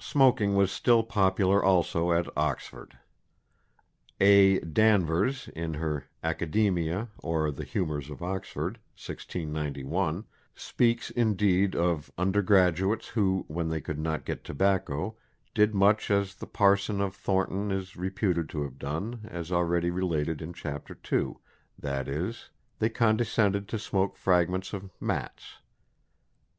Smoking was still popular also at Oxford. A. D'Anvers, in her "Academia; or the Humours of Oxford," 1691, speaks, indeed, of undergraduates who, when they could not get tobacco, did much as the parson of Thornton is reputed to have done, as already related in Chapter II, i.e. they condescended to smoke fragments of mats.